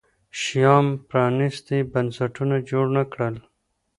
شیام پرانیستي بنسټونه جوړ نه کړل.